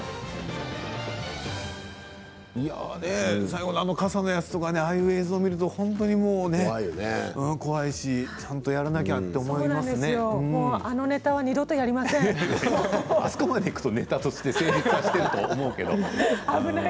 最後、あの傘のやつああいう映像を見ると本当にもうね、怖いしちゃんとやらなきゃとあのネタはあそこまでいくとネタとして成立しているとは思うけど。